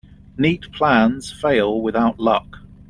Neat plans fail without luck.